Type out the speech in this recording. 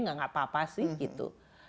nggak apa apa sih gitu